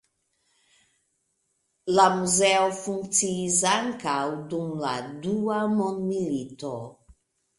La muzeo funkciis ankaŭ dum la dua mondmilito.